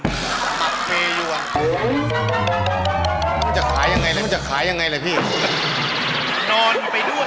มันจะขายยังไงนะ